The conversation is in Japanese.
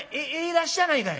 だっしゃないかい。